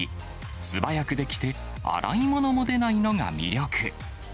素早く出来て、洗い物も出ないのが魅力。